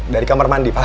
dari kamar mandi pak